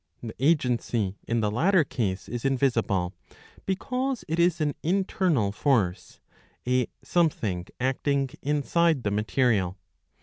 The agency in the latter case is invisible, because it is an internal force, a something acting inside the material.